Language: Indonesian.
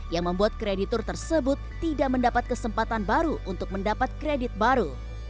yang membuat kreditur tersebut tidak mendapat kesempatan baru untuk mendapat kredit baru